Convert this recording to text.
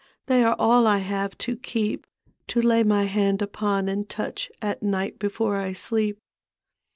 They are all I have to keep, To lay my hand upon and toudi At night before I sleep.